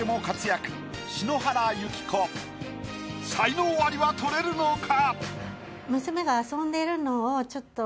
才能アリは獲れるのか？